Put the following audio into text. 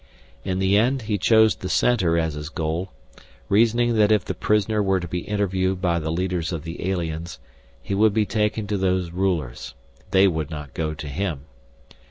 In the end he chose the Center as his goal, reasoning that if the prisoner were to be interviewed by the leaders of the aliens, he would be taken to those rulers, they would not go to him.